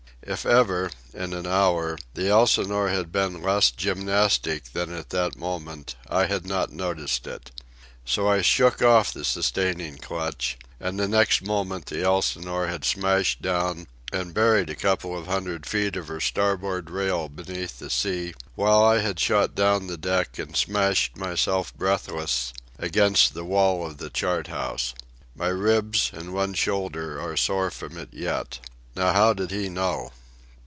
If ever, in an hour, the Elsinore had been less gymnastic than at that moment, I had not noticed it. So I shook off the sustaining clutch, and the next moment the Elsinore had smashed down and buried a couple of hundred feet of her starboard rail beneath the sea, while I had shot down the deck and smashed myself breathless against the wall of the chart house. My ribs and one shoulder are sore from it yet. Now how did he know?